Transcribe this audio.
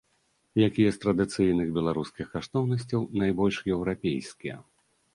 Якія з традыцыйных беларускіх каштоўнасцяў найбольш еўрапейскія?